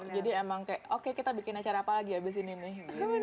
jadi emang kayak oke kita bikin acara apa lagi abis ini nih